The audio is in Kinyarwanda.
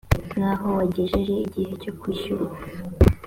nk aho wagejeje igihe cyo kwishyurwa